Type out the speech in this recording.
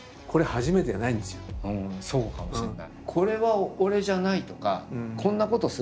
うんそうかもしれない。